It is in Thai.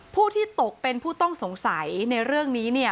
ผู้ที่ตกเป็นผู้ต้องสงสัยในเรื่องนี้เนี่ย